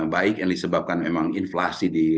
baik yang disebabkan memang inflasi di